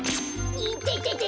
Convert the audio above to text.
いててて！